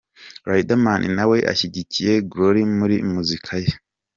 Riderman nawe ashyigikiye Gloire muri Muzika ye.